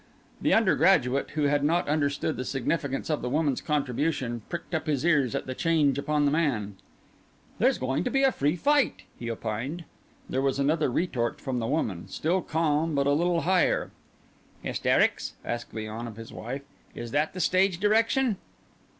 The undergraduate, who had not understood the significance of the woman's contribution, pricked up his ears at the change upon the man. "There's going to be a free fight," he opined. There was another retort from the woman, still calm but a little higher. "Hysterics?" asked Léon of his wife. "Is that the stage direction?"